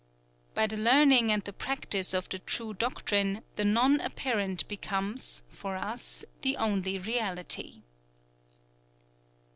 _" "_By the learning and the practice of the True Doctrine, the Non Apparent becomes [for us] the only Reality.